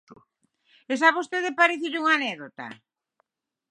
¿Iso a vostede lle parece unha anécdota?